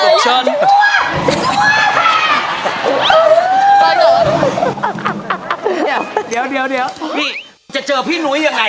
คุณนักงานนี้หัวใจถึงแล้วกัน